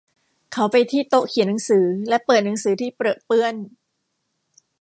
เขาไปที่โต๊ะเขียนหนังสือ และเปิดหนังสือที่เปรอะเปื้อน